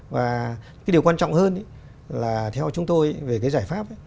và cái điều quan trọng hơn là theo chúng tôi về cái giải pháp